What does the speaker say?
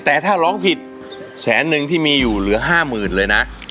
แต่ถ้าร้องผิดแสนนึงที่มีอยู่เหลือห้าหมื่นเลยนะ